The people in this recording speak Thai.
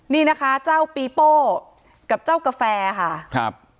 นี่นะคะเจ้าปีโป้กับเจ้ากาแฟค่ะครับ